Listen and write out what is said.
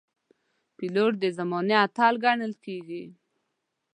پیلوټ د زمانې اتل ګڼل کېږي.